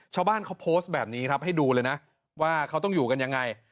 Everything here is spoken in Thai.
ชาวบ้านเขาโพสต์แบบนี้ครับให้ดูเลยนะว่าเขาต้องอยู่กันยังไง